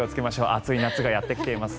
暑い夏がやってきています。